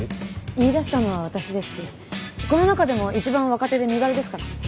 言い出したのは私ですしこの中でも一番若手で身軽ですから。